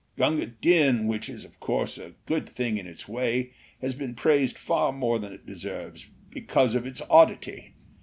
Gunga Din, which is, of course, a good thing in its way, has been praised far more than it deserves, because of its oddity.